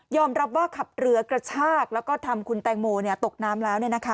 รับว่าขับเรือกระชากแล้วก็ทำคุณแตงโมตกน้ำแล้ว